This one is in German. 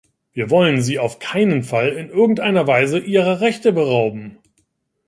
Wir wollen Sie auf keinen Fall in irgendeiner Weise Ihrer Rechte berauben.